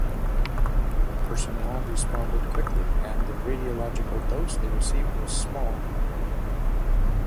Personnel responded quickly, and the radiological dose they received was small.